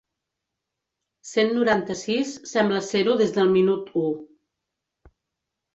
Cent noranta-sis sembla ser-ho des del minut u.